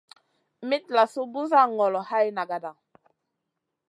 Mitlasou busa ŋolo hay nagata.